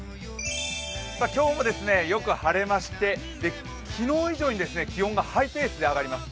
今日もよく晴れまして昨日以上に気温がハイペースで上がります。